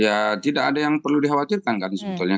ya tidak ada yang perlu dikhawatirkan kan sebetulnya